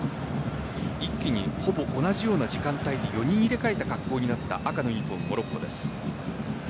一気にほぼ同じような時間帯で４人入れ替えた格好になった赤のユニホーム・モロッコです。